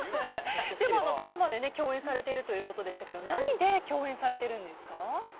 でも、ドラマで共演されているということですけども何で共演されているんですか？